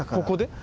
ここで？